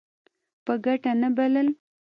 په ګټه نه بلل.